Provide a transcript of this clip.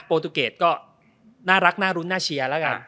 ตูเกรดก็น่ารักน่ารุ้นน่าเชียร์แล้วกัน